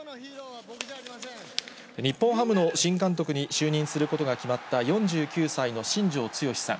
日本ハムの新監督に就任することが決まった、４９歳の新庄剛志さん。